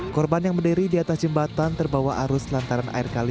korban yang berdiri di atas jembatan terbawa arus lantaran air kali